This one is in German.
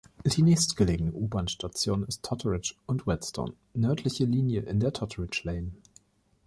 Die nächstgelegene U-Bahn-Station ist Totteridge und Whetstone - nördliche Linie in der Totteridge Lane.